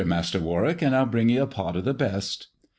Master Warwick, and I'll bring ye a pot of the best."